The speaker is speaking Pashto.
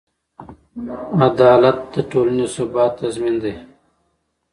عدالت د ټولنې د ثبات تضمین دی.